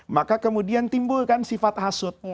maka kemudian timbulkan sifat hasut